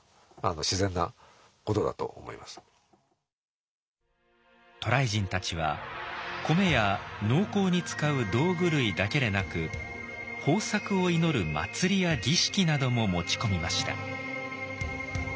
逆にですからだからもともと自然に渡来人たちは米や農耕に使う道具類だけでなく豊作を祈る祭りや儀式なども持ち込みました。